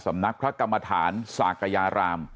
สำนักพระกรรมฐานศากยาราม